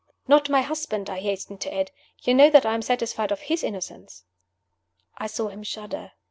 "Not my husband!" I hastened to add. "You know that I am satisfied of his innocence." I saw him shudder.